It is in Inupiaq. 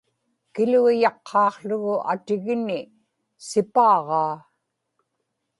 kiluiyaqqaaqługu atigini sipaaġaa